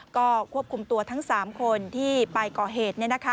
ก็ควบคุมตัวทั้ง๓คนที่ไปก่อเหตุ